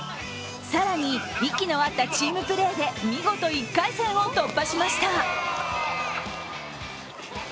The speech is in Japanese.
更に、息の合ったチームプレーで見事、１回戦を突破しました。